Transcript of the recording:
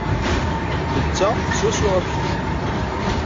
Netta swaswa am kečč.